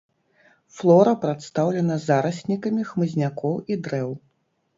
Флора прадстаўлена зараснікамі хмызнякоў і дрэў.